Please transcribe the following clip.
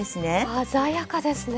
鮮やかですね。